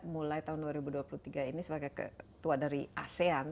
mulai tahun dua ribu dua puluh tiga ini sebagai ketua dari asean